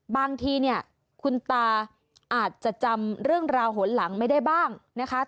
บางทีเนี่ยคุณตาอาจจะจำเรื่องราวหนหลังไม่ได้บ้างนะคะ